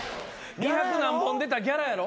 二百何本出たギャラやろ？